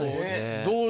どう？